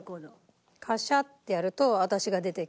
カシャッてやると私が出てきて。